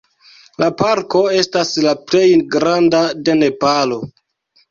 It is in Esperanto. La parko estas la plej granda de Nepalo.